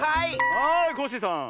はいコッシーさん。